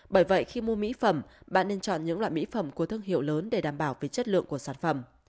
bởi vậy khi mua mỹ phẩm bạn nên chọn những loại mỹ phẩm của thương hiệu lớn để đảm bảo về chất lượng của sản phẩm